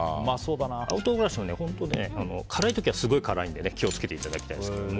青唐辛子は辛い時はすごい辛いので気を付けていただきたいです。